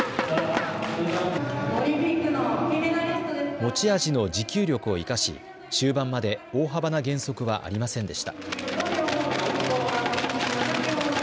持ち味の持久力を生かし終盤まで大幅な減速はありませんでした。